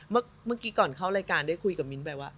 เมื่อกี้ก่อนเข้ารายการได้คุยกับมิ้นไปว่า